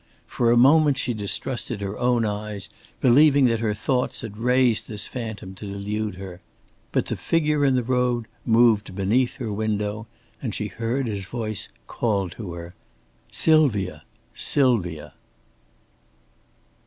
For a moment she distrusted her own eyes, believing that her thoughts had raised this phantom to delude her. But the figure in the road moved beneath her window and she heard his voice call to her: "Sylvia! Sylvia!"